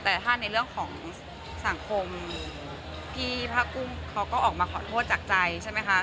แต่ถ้าในเรื่องของสังคมพี่ผ้ากุ้งเขาก็ออกมาขอโทษจากใจใช่ไหมคะ